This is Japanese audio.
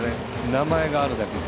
名前があるだけに。